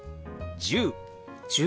「１０」。